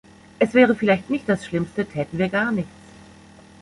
Es wäre vielleicht nicht das Schlimmste, täten wir gar nichts.